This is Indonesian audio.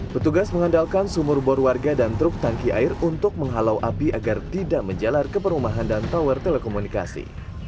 petugas mengandalkan sumur bor warga dan truk tangki air untuk menghalau api agar tidak menjalar ke perumahan dan tower telekomunikasi